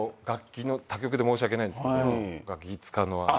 他局で申し訳ないんですけど『ガキ使』の。